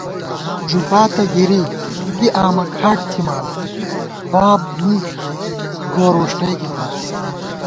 ݫُپاتہ گِرِی نُنگی آمہ کھاٹ تِھمان باب می گور وُݭٹئیکے پت